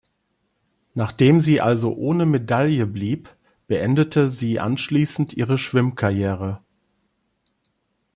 Nachdem sie also ohne Medaille blieb, beendete sie anschließend ihre Schwimmkarriere.